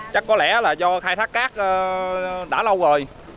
chắc có lẽ là do khai thác cát đã lâu rồi